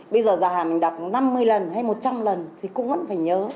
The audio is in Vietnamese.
bây giờ già hàng đọc năm mươi lần hay một trăm linh lần thì cũng vẫn phải nhớ